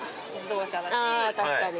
ああ確かに！